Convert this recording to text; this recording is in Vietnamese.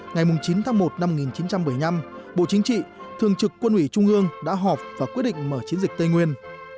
ngày chín tháng một năm một nghìn chín trăm bảy mươi năm bộ chính trị thường trực quân ủy trung ương đã họp và quyết định mở chiến dịch tây nguyên